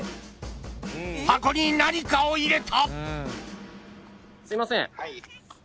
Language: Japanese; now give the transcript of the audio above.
［箱に何かを入れた！］